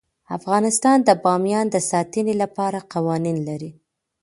افغانستان د بامیان د ساتنې لپاره قوانین لري.